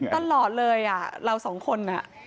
ตลอดเลยเราสองคน